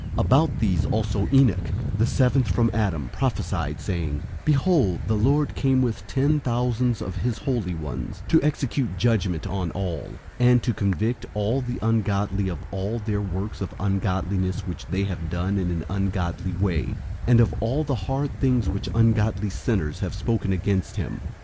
001:014 About these also Enoch, the seventh from Adam, prophesied, saying, "Behold, the Lord came with ten thousands of his holy ones, 001:015 to execute judgment on all, and to convict all the ungodly of all their works of ungodliness which they have done in an ungodly way, and of all the hard things which ungodly sinners have spoken against him."